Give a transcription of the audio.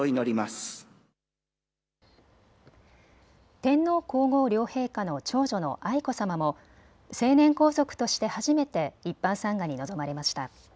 天皇皇后両陛下の長女の愛子さまも成年皇族として初めて一般参賀に臨まれました。